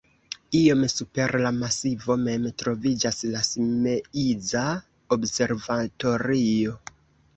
Iom super la masivo mem troviĝas la Simeiza observatorio.